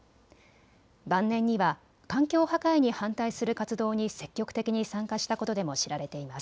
晩年には環境破壊に反対する活動に積極的に参加したことでも知られています。